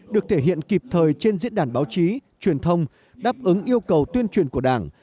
được thể hiện kịp thời trên diễn đàn báo chí truyền thông đáp ứng yêu cầu tuyên truyền của đảng